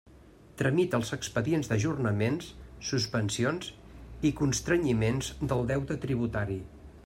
Tramita els expedients d'ajornaments, suspensions i constrenyiments del deute tributari.